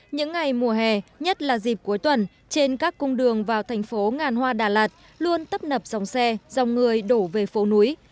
những ngày mùa hè nhất là dịp cuối tuần trên các cung đường vào thành phố ngàn hoa đà lạt luôn tấp nập dòng xe dòng người đổ về phố núi